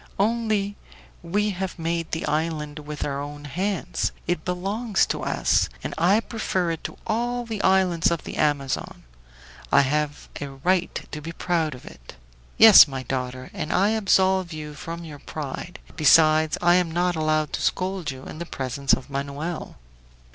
"Only we have made the island with our own hands; it belongs to us, and I prefer it to all the islands of the Amazon. I have a right to be proud of it." "Yes, my daughter; and I absolve you from your pride. Besides, I am not allowed to scold you in the presence of Manoel!"